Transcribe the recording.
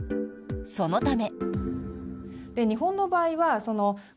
そのため。